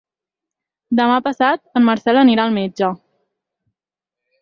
Demà passat en Marcel anirà al metge.